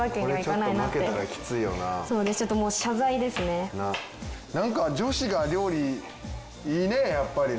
なんか女子が料理いいねやっぱりね。